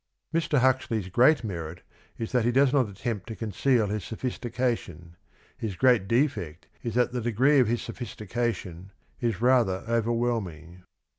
" Mr. Huxley's great merit is that he does not attempt to conceal his sophistication. His great defect is that the degree of his sophistication is rather ovenvhelming.